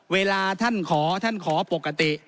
เวลาท่านขอท่านขอปกติ